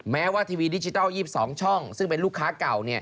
แม้ว่าทีวีดิจิทัล๒๒ช่องซึ่งเป็นลูกค้าเก่า